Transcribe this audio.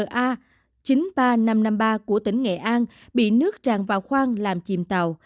tàu cá ba nghìn năm trăm năm mươi ba của tỉnh nghệ an bị nước tràn vào khoang làm chìm tàu